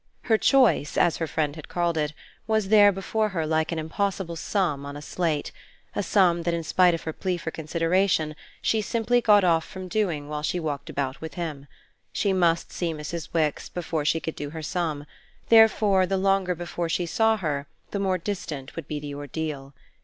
Her choice, as her friend had called it, was there before her like an impossible sum on a slate, a sum that in spite of her plea for consideration she simply got off from doing while she walked about with him. She must see Mrs. Wix before she could do her sum; therefore the longer before she saw her the more distant would be the ordeal.